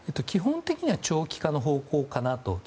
基本的には長期化の方向かなと。